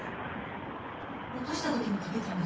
落とした時に欠けたんです。